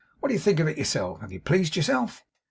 'What do you think of it yourself? Have you pleased yourself?